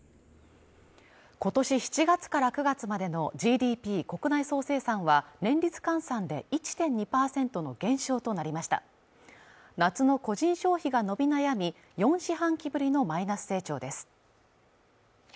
ことし７月から９月までのＧＤＰ＝国内総生産は年率換算で１．２％の減少となりました夏の個人消費が伸び悩み４四半期ぶりのマイナス成長です